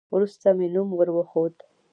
وروسته مې نوم ور وښود.